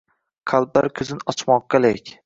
Qalblar ko’zin ochmoqqa lek